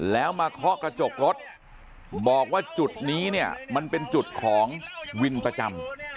แล้วมาเคาะกระจกรถบอกว่าจุดนี้เนี่ยมันเป็นจุดของวินประจำ